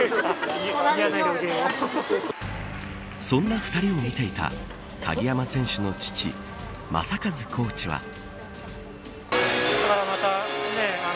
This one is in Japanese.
そんな２人を見ていた鍵山選手の父、正和コーチは。